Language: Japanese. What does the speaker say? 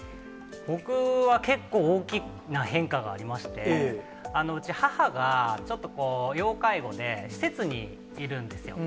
僕は結構、大きな変化がありまして、うち、母がちょっと要介護で、施設にいるんですよ。